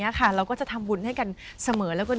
อยู่ในใจเสมอค่ะ